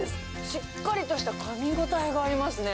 しっかりとしたかみ応えがありますね。